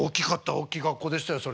おっきい学校でしたよそれ。